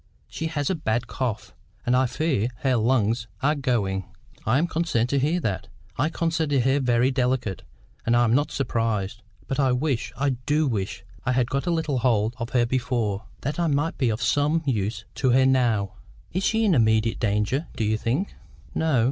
She has a bad cough, and I fear her lungs are going." "I am concerned to hear that. I considered her very delicate, and am not surprised. But I wish, I do wish, I had got a little hold of her before, that I might be of some use to her now. Is she in immediate danger, do you think?" "No.